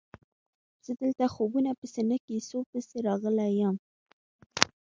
زه دلته خوبونو پسې نه کیسو پسې راغلی یم.